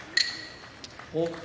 北勝